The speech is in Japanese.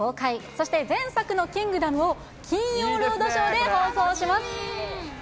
そして前作のキングダムを金曜ロードショーで放送します。